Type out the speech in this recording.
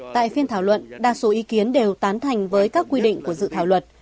tại phiên thảo luận đa số ý kiến đều tán thành với các quy định của dự thảo luật